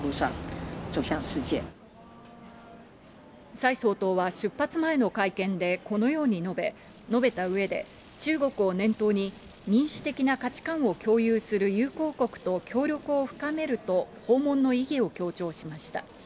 蔡総統は出発前の会見で、このように述べたうえで、中国を念頭に民主的な価値観を共有する友好国と協力を深めると訪問の意義を強調しました。